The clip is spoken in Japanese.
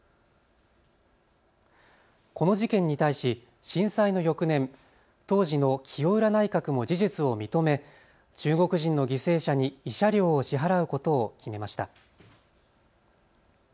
この事件に対し震災の翌年、当時の清浦内閣も事実を認め中国人の犠牲者に慰謝料を支払うことを決めました。